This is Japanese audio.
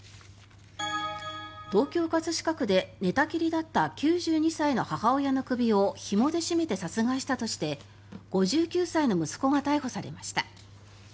東京・葛飾区で寝たきりだった９２歳の母親の首をひもで絞めて殺害したとして５９歳の息子が逮捕されました。